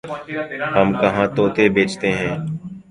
ہم کہاں طوطے بیچتے ہیں